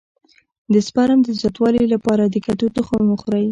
د سپرم د زیاتوالي لپاره د کدو تخم وخورئ